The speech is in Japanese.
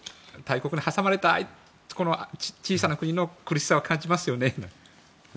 大国に挟まれた小さな国の苦しさを感じますよね。